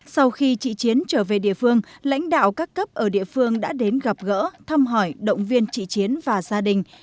sau khi chị chiến trở về địa phương lãnh đạo các cấp ở địa phương đã đến gặp gỡ thăm hỏi động viên chị chiến và gia đình